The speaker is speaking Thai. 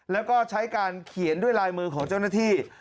แล้วก็ใช้การเขียนด้วยลายมือของเจ้าหน้าที่